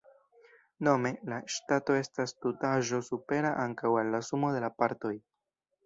Nome, la Ŝtato estas tutaĵo supera ankaŭ al la sumo de la partoj.